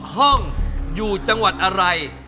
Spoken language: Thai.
กรุงเทพหมดเลยครับ